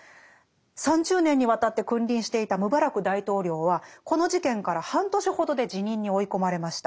３０年にわたって君臨していたムバラク大統領はこの事件から半年ほどで辞任に追い込まれました。